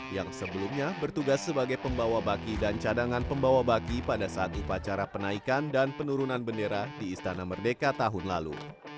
yang sebelumnya bertugas sebagai pembawa baki dan cadangan pembawa baki pada saat upacara penaikan dan penurunan bendera di istana merdeka tahun lalu